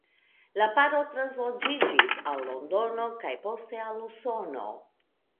La paro transloĝiĝis al Londono kaj poste al Usono.